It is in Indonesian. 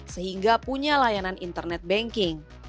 sehingga punya layanan internet banking